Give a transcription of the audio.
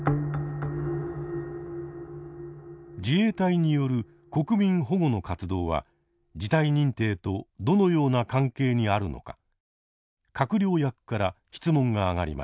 自衛隊による国民保護の活動は事態認定とどのような関係にあるのか閣僚役から質問が上がりました。